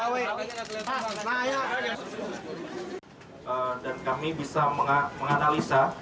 dari penyidik ini kami bisa menganalisa